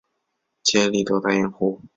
杰里德大盐湖。